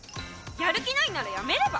ヤル気ないんならやめれば？